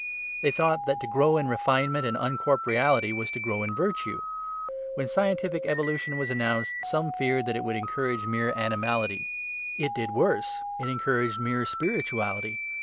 They thought that to grow in refinement and uncorporeality was to grow in virtue. When scientific evolution was announced, some feared that it would encourage mere animality. It did worse: it encouraged mere spirituality.